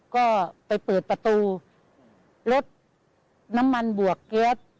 ก็ไปเปิดประตูรถน้ำมันบวกรถ